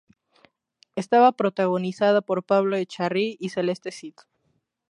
Estaba protagonizada por Pablo Echarri y Celeste Cid.